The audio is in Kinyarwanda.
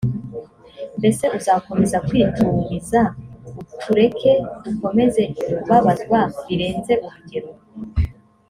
mbese uzakomeza kwituriza utureke dukomeze kubabazwa birenze urugero